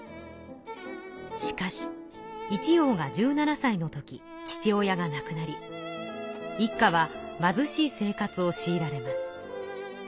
しかし一葉が１７歳の時父親がなくなり一家は貧しい生活をしいられます。